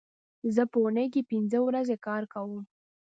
زه په اونۍ کې پینځه ورځې کار کوم